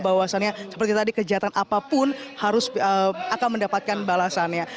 bahwasannya seperti tadi kejahatan apapun harus akan mendapatkan balasannya